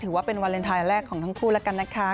ถือว่าเป็นวาเลนไทยแรกของทั้งคู่ละกันนะคะ